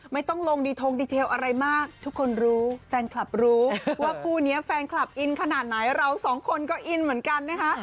ไม่ต้องลงดีทงดีเทลอะไรมากทุกคนรู้แฟนคลับรู้ว่าคู่นี้แฟนคลับอินขนาดไหนเราสองคนก็อินเหมือนกันนะคะ